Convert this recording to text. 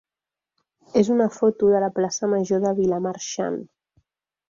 és una foto de la plaça major de Vilamarxant.